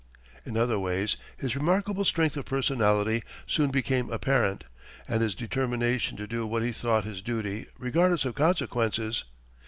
In other ways, his remarkable strength of personality soon became apparent, and his determination to do what he thought his duty, regardless of consequences.